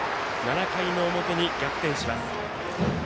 ７回の表に逆転します。